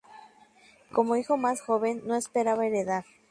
Como hijo más joven, no esperaba heredar.